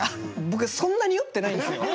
僕そんなに酔ってないんですよ。